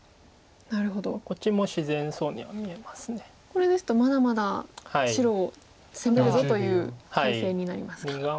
これですとまだまだ白を攻めるぞという態勢になりますか。